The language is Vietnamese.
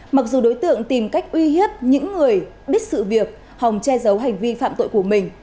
mặc dù đối tượng tìm cách uy hiếp những người biết sự việc hòng che giấu hành vi phạm tội của mình